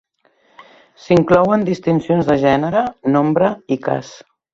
S'inclouen distincions de gènere, nombre i cas.